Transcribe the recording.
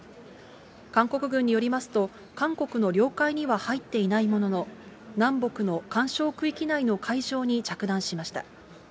韓国軍によりますと、韓国の領海には入っていないものの、南北の緩衝区域内の海上に着弾しました。